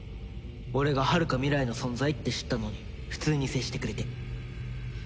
俺がはるか未来の存在って知ったのに普通に接してくれて。